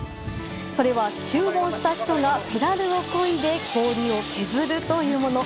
それは、注文した人がペダルをこいで氷を削るというもの。